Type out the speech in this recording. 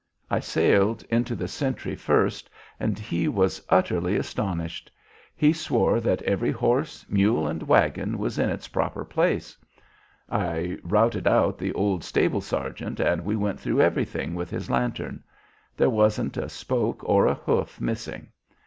I sailed into the sentry first and he was utterly astonished; he swore that every horse, mule, and wagon was in its proper place. I routed out the old stable sergeant and we went through everything with his lantern. There wasn't a spoke or a hoof missing.